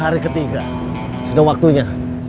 hari ketiga sudah waktunya